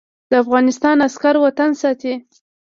د افغانستان عسکر وطن ساتي